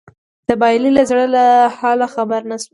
د بايللي زړه له حاله خبر نه شوم